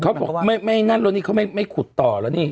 เขาบอกไม่นั่นแล้วนี่เขาไม่ขุดต่อแล้วนี่